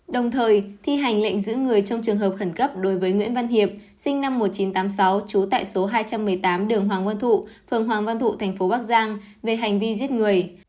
đồng thời thi hành lệnh giữ người trong trường hợp khẩn cấp đối với nguyễn văn hiệp sinh năm một nghìn chín trăm tám mươi sáu trú tại số hai trăm một mươi tám đường hoàng quân thụ phường hoàng văn thụ thành phố bắc giang về hành vi giết người